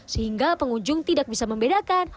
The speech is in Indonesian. sehingga pengunjung tidak bisa membedakan